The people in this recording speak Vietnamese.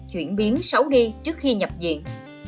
chuyển biến sáu đi trước khi nhập diện